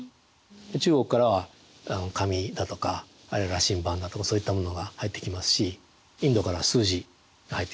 で中国からは紙だとか羅針盤だとかそういったものが入ってきますしインドからは数字が入ってきますよね。